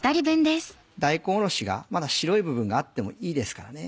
大根おろしがまだ白い部分があってもいいですからね。